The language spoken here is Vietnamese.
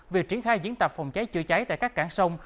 việc triển khai diễn tập phòng cháy chữa cháy tại các cảng sông